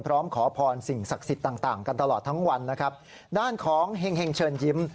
พร้อมขอพรสิ่งศักดิ์สิทธิ์ต่างต่างกันตลอดทั้งวันนะครับด้านของเห็งเชิญยิ้ม